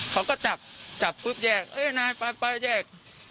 เขาก็จับจับปุ๊บแยกเอ้ยนายไปไปแยก